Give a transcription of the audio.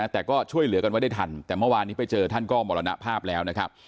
แต่ก็ช่วยเหลือกันไว้ได้ทันแต่เมื่อวานนี้ไปเจอท่านก็มรณภาพแล้วนะครับ